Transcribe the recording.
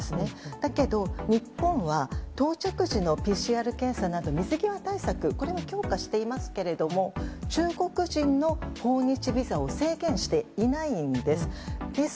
だけど、日本は到着時のＰＣＲ検査など水際対策を強化していますけど中国人の訪日ビザを制限していないんです。